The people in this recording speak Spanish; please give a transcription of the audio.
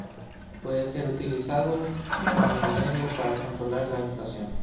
Puede ser utilizado como un medio para controlar la inflación.